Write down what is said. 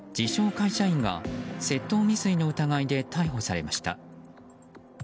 会社員が窃盗未遂の疑いで逮捕されました。